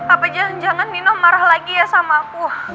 apa jangan jangan nino marah lagi ya sama aku